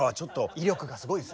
威力がすごいですね。